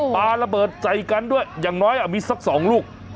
ปลาระเบิดใส่กันด้วยอย่างน้อยมีสัก๒ลูก